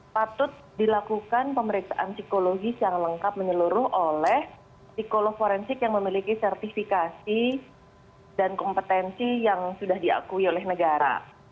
patut dilakukan pemeriksaan psikologis yang lengkap menyeluruh oleh psikolog forensik yang memiliki sertifikasi dan kompetensi yang sudah diakui oleh negara